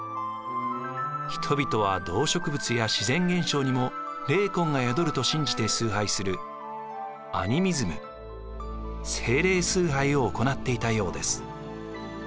人々は動植物や自然現象にも霊魂が宿ると信じて崇拝するアニミズム精霊崇拝を行っていたようです。